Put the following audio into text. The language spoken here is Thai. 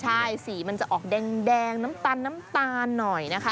ใช่สีมันจะออกแดงน้ำตาลหน่อย